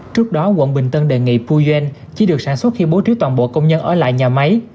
trước đó quận bình tân đề nghị phu doanh chỉ được sản xuất khi bố trí toàn bộ công nhân ở lại nhà máy